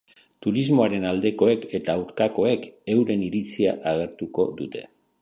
Turismoaren aldekoek eta aurkakoek euren iritzia agertuko dute.